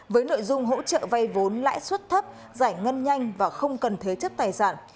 với nội dung hỗ trợ vay vốn lãi suất thấp giải ngân nhanh và không cần thế chất tài sản